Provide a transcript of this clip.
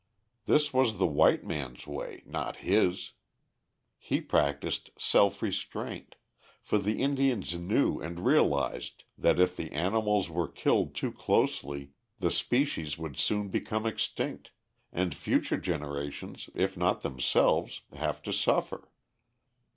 This was the white man's way, not his! He practised self restraint, for the Indians knew and realized that if the animals were killed too closely the species would soon become extinct, and future generations, if not themselves, have to suffer.